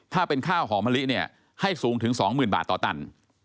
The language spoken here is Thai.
ถ้าเป็นข้าวหอมะลิเนี่ยให้สูงถึง๒๐๐๐บาทต่อตัน